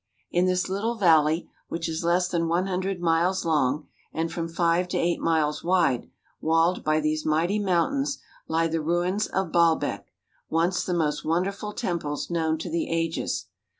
In this little valley, which is less than one hundred miles long and from five to eight miles wide, walled by these mighty mountains, lie the ruins of Baalbek, once the most wonderful temples known to the ages.